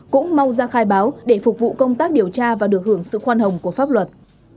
cũng mong ra khai báo để phục vụ công tác điều tra và được hưởng sự khoan hồng của pháp luật